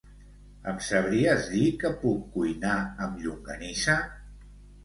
Em sabries dir què puc cuinar amb llonganissa?